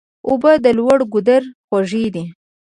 اوبه د لوړ ګودر خوږې دي.